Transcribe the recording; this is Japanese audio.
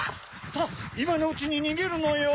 さぁいまのうちににげるのよ。